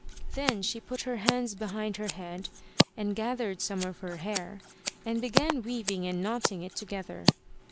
Then she put her hands behind her head, and gathered some of her hair, and began weaving and knotting it together.